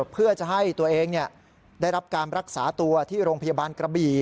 เพื่อจะให้ตัวเองได้รับการรักษาตัวที่โรงพยาบาลกระบี่